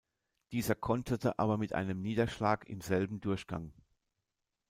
Dieser konterte aber mit einem Niederschlag im selben Durchgang.